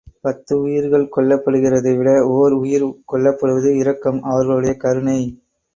பத்து உயிர்கள் கொல்லப்படுகிறதை விட ஒர் உயிர் கொல்லப்படுவது இரக்கம், அவர்களுடைய கருணை.